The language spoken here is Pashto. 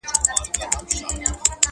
په مجلس نه مړېدل سره خواږه وه!.